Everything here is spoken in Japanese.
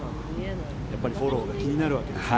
やっぱりフォローが気になるわけですね。